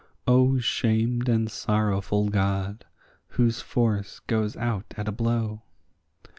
O shamed and sorrowful God, whose force goes out at a blow!